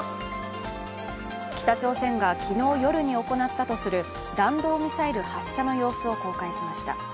北朝鮮が昨日夜に行ったとする弾道ミサイルの発射の様子を公開しました。